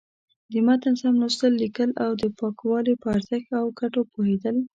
د متن سم لوستل، ليکل او د پاکوالي په ارزښت او گټو پوهېدل.